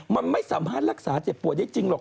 มันไม่สามารถรักษาเจ็บป่วยได้จริงหรอก